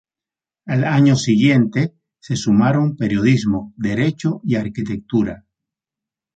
Al año siguiente, se sumaron Periodismo, Derecho y Arquitectura.